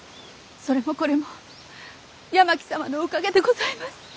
それもこれも八巻様のおかげでございます！